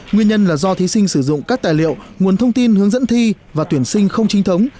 nguyên nhân là do thí sinh sử dụng các tài liệu nguồn thông tin hướng dẫn thi và tuyển sinh không chính thống